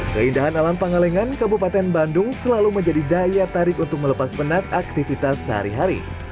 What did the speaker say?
keindahan alam pangalengan kabupaten bandung selalu menjadi daya tarik untuk melepas penat aktivitas sehari hari